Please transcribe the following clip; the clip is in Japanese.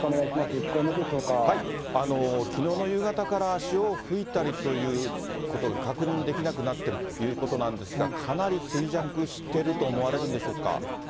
聞こえますきのうの夕方から、潮を吹いたりということが確認できなくなってるということなんですが、かなり衰弱してると思われるんでしょうか。